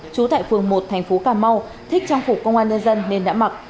trú tại phường một thành phố cà mau thích trang phục công an nhân dân nên đã mặc